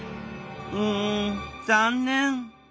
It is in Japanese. うん残念！